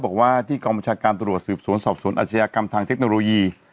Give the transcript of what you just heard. บอกว่าที่กองบัญชาการตรวจสืบสวนสอบสวนอาชญากรรมทางเทคโนโลยี